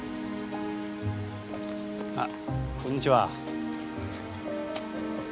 あっこんにちは。